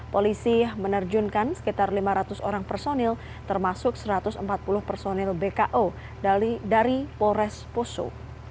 polisi menerjunkan sekitar lima ratus orang personil termasuk satu ratus empat puluh personil bko dari polres poso